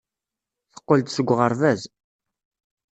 Teqqel-d seg uɣerbaz.